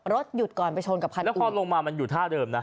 หยุดก่อนไปชนกับคันแล้วพอลงมามันอยู่ท่าเดิมนะ